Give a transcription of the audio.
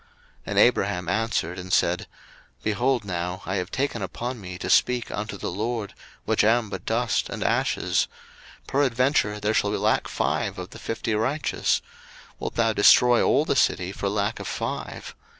01:018:027 And Abraham answered and said, Behold now, I have taken upon me to speak unto the LORD, which am but dust and ashes: 01:018:028 Peradventure there shall lack five of the fifty righteous: wilt thou destroy all the city for lack of five?